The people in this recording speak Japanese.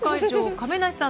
亀梨さん。